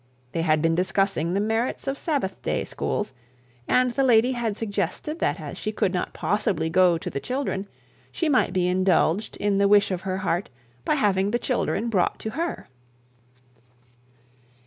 They had been discussing the merits of Sabbath day schools, and the lady suggested that as she could not possibly go to the children, she might be indulged in the wish of her heart by having the children brought to her.